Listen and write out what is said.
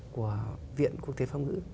của viện quốc tế phong ngữ